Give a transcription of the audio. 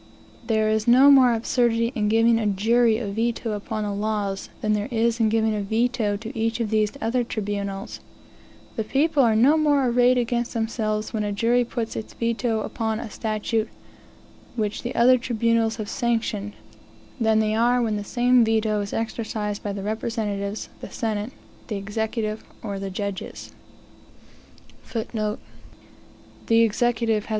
There is no more absurdity in giving a jury a veto upon the laws, than there is in giving a veto to each of these other tribunals. The people are no more arrayed against themselves, when a jury puts its veto upon a statute, which the other tribunals have sanctioned, than they are when the same veto is exercised by the representatives, the senate, the executive, or the judges.